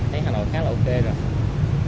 thấy hà nội khá là ok rồi